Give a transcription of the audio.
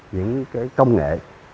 những cái công nghệ